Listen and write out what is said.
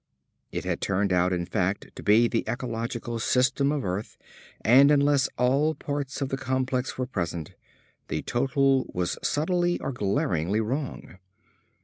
It had turned out, in fact, to be the ecological system of Earth, and unless all parts of the complex were present, the total was subtly or glaringly wrong.